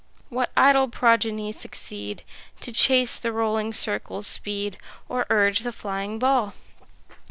What idle progeny succeed To chase the rolling circle's speed, Or urge the flying ball?